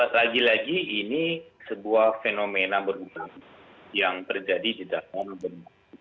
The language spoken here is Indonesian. lagi lagi ini sebuah fenomena berubah yang terjadi di dalam benak